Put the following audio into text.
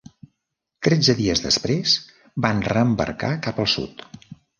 Tretze dies després, van reembarcar cap al sud.